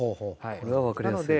これはわかりやすい。